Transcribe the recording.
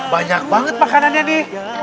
banyak banget makanannya nih